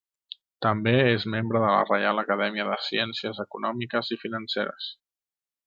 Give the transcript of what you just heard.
També és membre de la Reial Acadèmia de Ciències Econòmiques i Financeres.